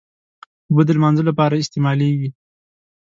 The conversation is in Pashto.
اوبه د لمانځه لپاره استعمالېږي.